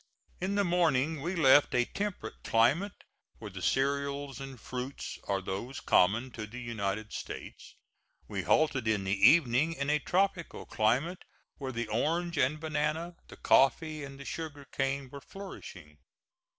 In the morning we left a temperate climate where the cereals and fruits are those common to the United States, we halted in the evening in a tropical climate where the orange and banana, the coffee and the sugar cane were flourishing.